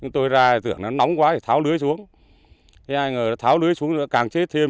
tôi ra tưởng nó nóng quá thì tháo lưới xuống thế ai ngờ tháo lưới xuống càng chết thêm